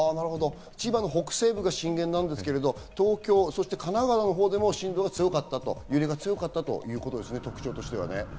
千葉の北西部が震源ですけれど、東京、そして神奈川のほうでも震度が強かった、揺れが強かったということですね、特徴としては。